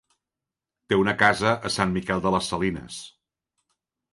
Té una casa a Sant Miquel de les Salines.